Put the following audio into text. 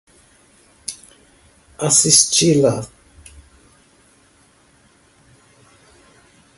assisti-la